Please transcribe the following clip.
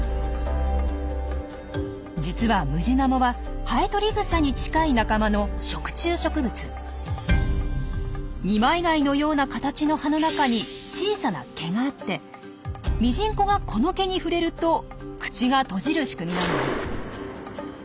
実はムジナモはハエトリグサに近い仲間の二枚貝のような形の葉の中に小さな毛があってミジンコがこの毛に触れると口が閉じる仕組みなんです。